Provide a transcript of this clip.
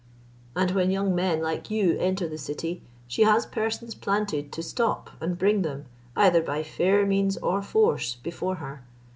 And when young men, like you, enter the city, she has persons planted to stop and bring them, either by fair means or force, before her.